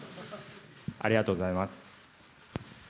ありがとうございます。